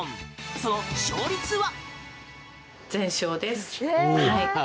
その勝率は？